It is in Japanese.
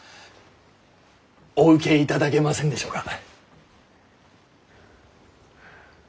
お受けいただけませんでしょうか？